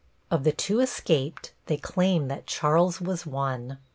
Of the two escaped they claim that Charles was one.